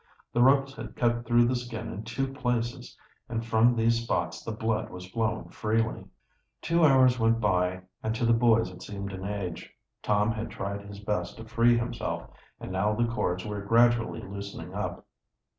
The ropes had cut through the skin in two places and from these spots the blood was flowing freely. Two hours went by, and to the boys it seemed an age. Tom had tried his best to free himself, and now the cords were gradually loosening up.